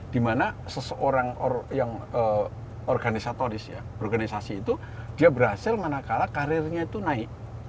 dimana seseorang yang organisatoris ya organisasi itu dia berhasil manakala karirnya itu naik